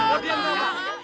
mau diam gak